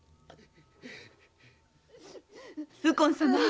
右近様